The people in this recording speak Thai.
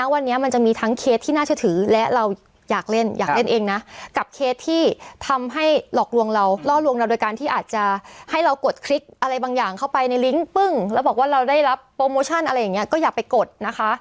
วันนี้มันจะมีทั้งเคสที่น่าเชื่อถือและเราอยากเล่นอยากเล่นเองนะกับเคสที่ทำให้หลอกลวงเราล่อลวงเราโดยการที่อาจจะให้เรากดคลิกอะไรบางอย่างเข้าไปในลิงก์ปึ้งแล้วบอกว่าเราได้รับโปรโมชั่นอะไรอย่างนี้ก็อย่าไปกดนะคะ